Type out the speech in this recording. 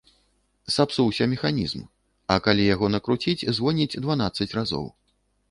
Сапсуўся механізм, а калі яго накруціць звоніць дванаццаць разоў.